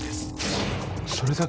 それだけ？